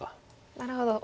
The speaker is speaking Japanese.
なるほど。